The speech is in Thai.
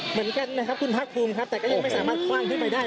เหมือนกันนะครับคุณภาคภูมิครับแต่ก็ยังไม่สามารถคว่างขึ้นไปได้